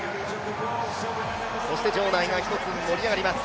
そして場内が一つに盛り上がります。